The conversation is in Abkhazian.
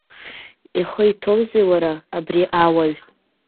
Ихы иҭоузеи, уара, абри ауаҩ?